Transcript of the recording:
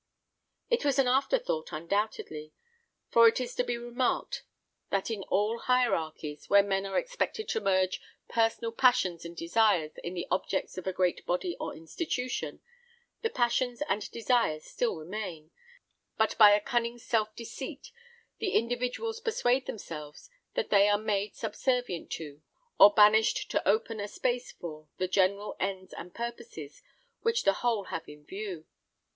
It was an after thought, undoubtedly; for it is to be remarked, that in all hierarchies, where men are expected to merge personal passions and desires in the objects of a great body or institution, the passions and desires still remain; but by a cunning self deceit, the individuals persuade themselves that they are made subservient to, or banished to open a space for, the general ends and purposes which the whole have in view.